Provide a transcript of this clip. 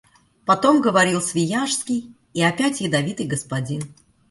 Потом говорил Свияжский и опять ядовитый господин.